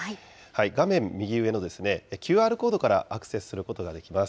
画面右上のＱＲコードからアクセスすることができます。